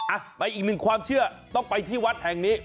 อ่ะไปอีกหนึ่งความเชื่อต้องไปที่วัดแห่งนี้